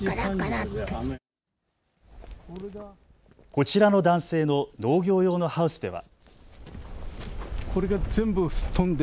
こちらの男性の農業用のハウスでは。